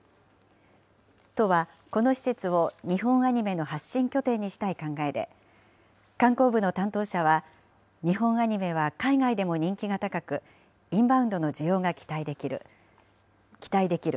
都は、この施設を日本アニメの発信拠点にしたい考えで、観光部の担当者は、日本アニメは海外でも人気が高く、インバウンドの需要が期待できる。